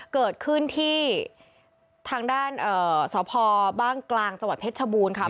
เกิดขึ้นที่ทางด้านสพบ้างกลางจังหวัดเพชรชบูรณ์ค่ะ